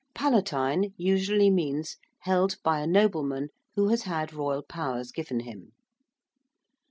~Palatine~ usually means 'held by a nobleman who has had royal powers given him.'